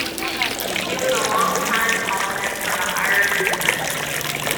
He was a longtime columnist for the "Irish Independent".